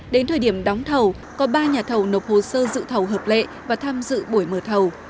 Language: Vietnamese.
đến thời điểm đóng thầu có ba nhà thầu nộp hồ sơ dự thầu hợp lệ và tham dự buổi mở thầu